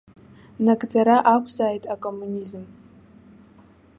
Нагӡара ақәзааит акоммунизм.